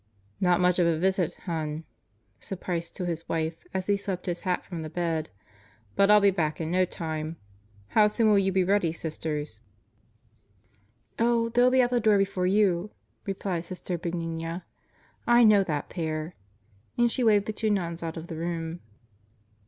"Not much of a visit, hon," said Price to his wife as he swept his hat from the bed, "but I'll be back in no time. How soon will you be ready, Sisters?" "Oh, they'll be at the door before you," replied Sister Benigna. God Gathers His Instruments 11 "I know that pair. 33 And she waved the two nuns out of the room.